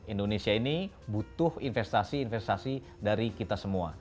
indonesia ini butuh investasi investasi dari kita semua